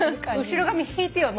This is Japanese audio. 後ろ髪引いてよ